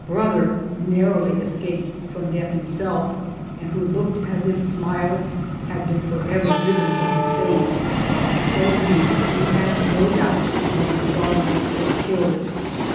brother, narrowly escaped from death himself, and who looked as if smiles had been forever driven from his face, told me he had no doubt his mother's darling was killed.